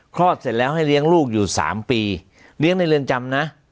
เสร็จแล้วให้เลี้ยงลูกอยู่๓ปีเลี้ยงในเรือนจำนะ